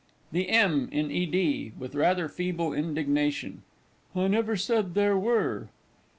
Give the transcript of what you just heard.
THE M. IN E. D. (with rather feeble indignation). I never said there were.